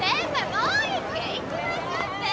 もう１軒行きましょって！